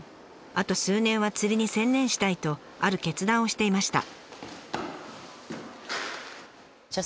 あと数年は釣りに専念したいとある決断をしていました。